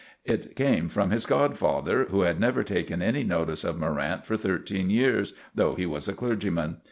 It came from his godfather, who had never taken any notice of Morrant for thirteen years, though he was a clergyman.